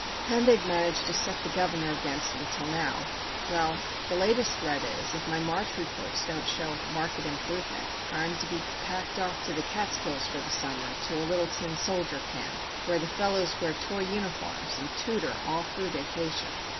And they've managed to set the governor against me, till now—Well, the latest threat is, if my March reports don't show 'marked improvement' I'm to be packed off to the Catskills for the summer to a little tin soldier camp, where the fellows wear toy uniforms and tutor all through vacation.